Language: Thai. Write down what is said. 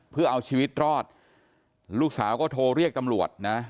เพื่อเอาชีวิตรอดลูกสาวก็โทรเรียกตำรวจนะ